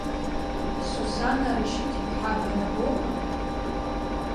Сусана Рашьыҭ-иԥҳа бара боума?